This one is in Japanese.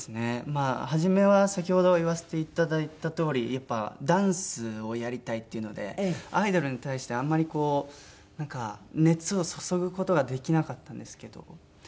まあ初めは先ほど言わせていただいたとおりやっぱダンスをやりたいっていうのでアイドルに対してあんまりこうなんか熱を注ぐ事ができなかったんですけど。